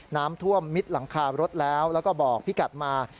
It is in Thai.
น้ำท่วมมิดหลังคารถแล้วแล้วก็บอกพี่กัดมา